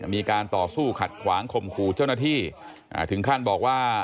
มีการต่อสู้ขัดขวางข่มขู่เจ้าหน้าที่ถึงขั้นบอกว่า